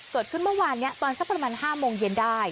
เกิดขึ้นเมื่อวานนี้ตอนสักประมาณ๕โมงเย็นได้